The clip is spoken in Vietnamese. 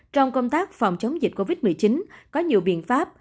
trong công tác phòng chống dịch covid một mươi chín có nhiều biện pháp